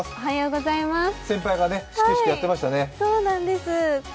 先輩が始球式やってましたね。